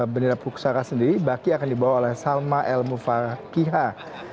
bendera pusaka sendiri baki akan dibawa oleh salma el mufarkiha